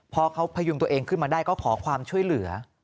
พอเขาพยุงตัวเองขึ้นมาได้ก็ขอความช่วยเหลือ